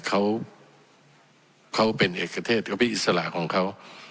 เขาเป็นเอกเกษตรไม่มีอิสระของเขา